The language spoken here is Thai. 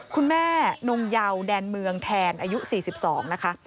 คุณแม่นงเยาแดนเมืองแทนอายุ๔๒นะคะ